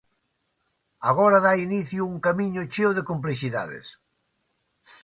Agora dá inicio un camiño cheo de complexidades.